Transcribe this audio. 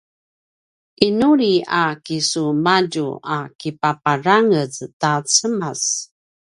’inuli a kisumadju a kipaparangez ta cemas